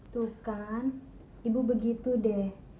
tuh kan ibu begitu deh